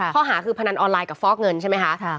ข้อหาคือพนันออนไลน์กับฟอกเงินใช่ไหมคะ